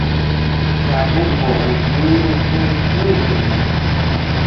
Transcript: Chaku joʼoy nínu jeʼe tuʼu ñeʼeñ.